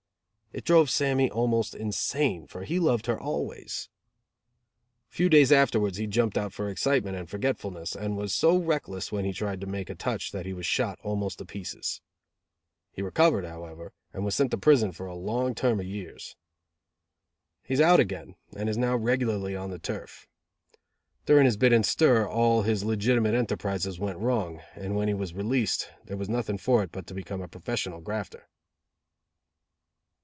It drove Sammy almost insane, for he loved her always. A few days afterwards he jumped out for excitement and forgetfulness and was so reckless when he tried to make a touch that he was shot almost to pieces. He recovered, however, and was sent to prison for a long term of years. He is out again, and is now regularly on the turf. During his bit in stir all his legitimate enterprizes went wrong, and when he was released, there was nothing for it but to become a professional grafter.